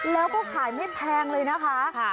แล้วก็ขายไม่แพงเลยนะคะ